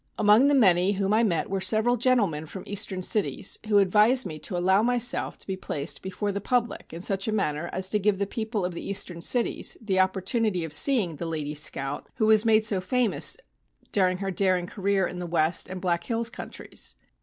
Among the many whom I met were several gentlemen from eastern cities, who advised me to allow myself to be placed before the public in such a manner as to give the people of the eastern cities the opportunity of seeing the lady scout who was made so famous during her daring career in the West and Black Hills countries.